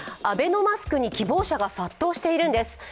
アベノマスクに希望者が殺到しているんです。